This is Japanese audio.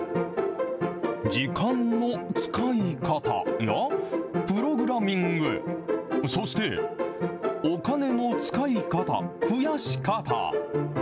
時間の使い方や、プログラミング、そしてお金の使い方、殖やし方。